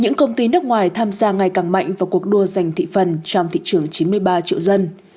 những công ty nước ngoài tham gia ngày càng mạnh vào cuộc đua giành thị phần trong thị trường chín mươi ba triệu dân